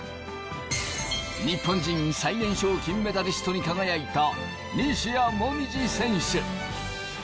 日本人最年少金メダリストに輝いた西矢選手。